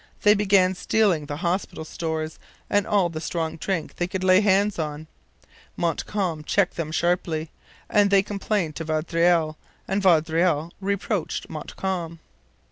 They began stealing the hospital stores and all the strong drink they could lay hands on. Montcalm checked them sharply. Then they complained to Vaudreuil, and Vaudreuil reproached Montcalm.